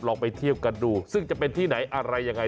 ไปเที่ยวกันดูซึ่งจะเป็นที่ไหนอะไรยังไง